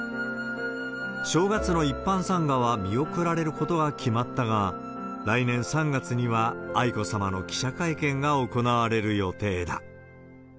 正月の一般参賀は見送られることが決まったが、来年３月には愛子さまの記者会見が行われる予定だ。